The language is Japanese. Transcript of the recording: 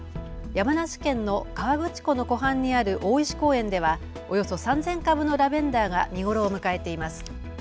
山梨県の河口湖の湖畔にある大石公園ではおよそ３０００株のラベンダーが見頃を迎えています。